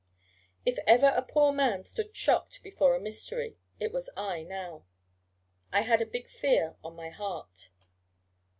If ever a poor man stood shocked before a mystery, it was I now. I had a big fear on my heart.